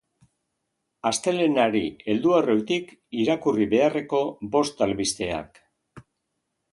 Astelehenari heldu aurretik irakurri beharreko bost albisteak.